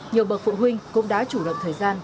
nhiều bậc phụ huynh cũng đã chủ động thời gian